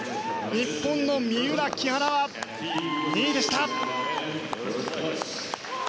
日本の三浦、木原は２位でした。